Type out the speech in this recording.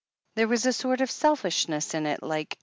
There was a sort of selfishness in it, like